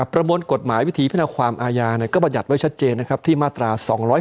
ประมวลกฎหมายวิถีเพื่อนของความอาญาบ่รหยัดไว้ชัดเจนที่มาตรา๒๖๑